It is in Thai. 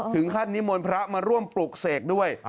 ถึงขั้นนิมนต์พระมาร่วมปลูกเสกด้วย